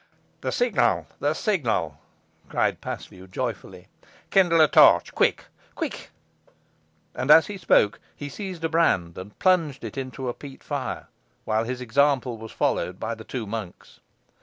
"The signal! the signal!" cried Paslew, joyfully. "Kindle a torch! quick, quick!" And as he spoke, he seized a brand and plunged it into the peat fire, while his example was followed by the two monks.